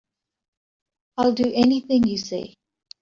I'll do anything you say.